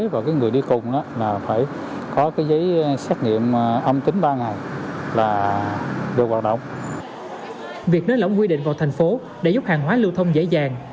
việc nới lỏng quy định vào thành phố để giúp hàng hóa lưu thông dễ dàng